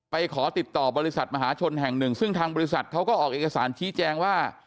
ขอติดต่อบริษัทมหาชนแห่งหนึ่งซึ่งทางบริษัทเขาก็ออกเอกสารชี้แจงว่า